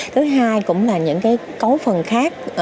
thứ hai cũng là những cái cấu phần khác